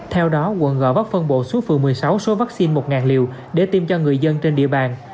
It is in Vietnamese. theo đó quận g vấp phân bộ xuống phường một mươi sáu số vaccine một liều để tiêm cho người dân trên địa bàn